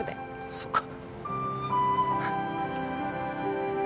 そっか。